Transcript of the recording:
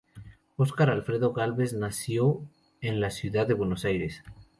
Oscar Alfredo Gálvez nació en la ciudad de Buenos Aires.